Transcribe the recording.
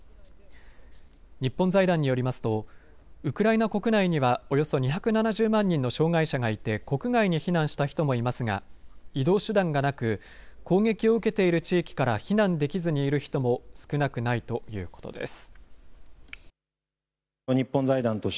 日本財団によりますとウクライナ国内にはおよそ２７０万人の障害者がいて国外に避難した人もいますが移動手段がなく攻撃を受けている地域から避難できずにいる人も少なくないということです。